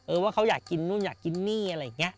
ว่าเขาอยากกินนู่นอยากกินนี่อะไรอย่างนี้